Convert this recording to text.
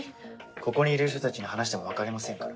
ここにいる人たちに話しても分かりませんから。